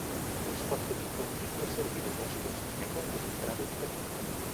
Allo scoppio del conflitto servì l'esercito austriaco con il grado di tenente.